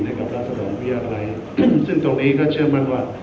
ในกับรัฐสรรค์ผู้ยากไร้ซึ่งตรงนี้ก็เชื่อมันว่า